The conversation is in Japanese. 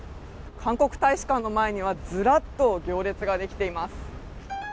韓国大使館の前にはずらっと行列ができています。